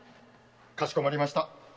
〔かしこまりました〕